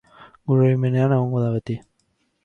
Gure oroimenean egongo da beti.